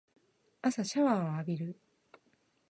朝シャワーを浴びる